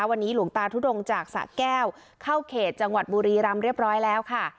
วันนี้หลวงตาทุดงจากสะแก้วเข้าเขตจังหวัดบุรีรำเรียบร้อยแล้วค่ะ